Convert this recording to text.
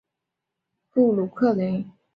戴维斯出生于美国纽约布鲁克林。